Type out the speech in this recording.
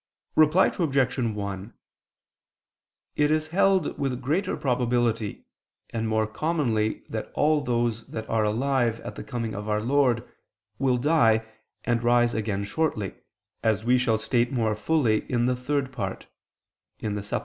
Reply Obj. 1: It is held with greater probability and more commonly that all those that are alive at the coming of our Lord, will die, and rise again shortly, as we shall state more fully in the Third Part (Suppl.